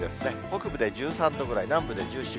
北部で１３度ぐらい、南部で１４、５度。